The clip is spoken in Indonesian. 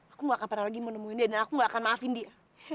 aku gak akan pernah lagi mau nemuin dia dan aku gak akan maafin dia